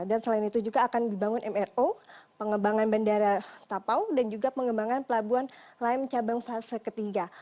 dan selain itu juga akan dibangun mro pengembangan banda tapau dan juga pengembangan pelabuhan lime cabang fase ketiga